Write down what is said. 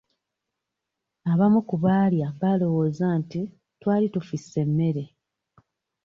Abamu ku baalya baalowooza nti twali tufisse emmere.